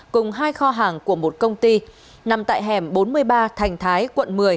cùng hai kho hàng của một công ty nằm tại hẻm bốn mươi ba thành thái quận một mươi